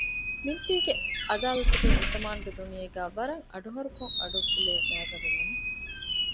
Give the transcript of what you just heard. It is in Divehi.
މިންތީގެ އަދާލަތަކީ މިޒަމާނުގެ ދުނިޔޭގައި ވަރަށް އަޑުހަރުކޮށް އަޑުއުފުލޭ މައިގަނޑުނަމެއް